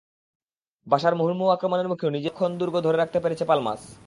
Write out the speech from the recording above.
বার্সার মুহুর্মুহু আক্রমণের মুখেও নিজেদের রক্ষণ দুর্গ ধরে রাখতে পেরেছে পালমাস।